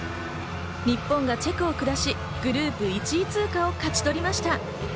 日本がチェコを下し、グループ１位通過を勝ち取りました。